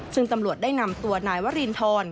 ซึ่งตำรวจได้นำตัวนายวรินทร